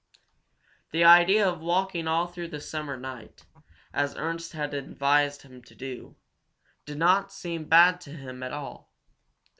The idea of walking all through the summer night, as Ernst had advised him to do, did not seem bad to him at all.